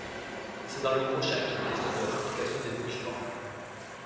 C’est dans le prochain qu’il est question de la publication des documents.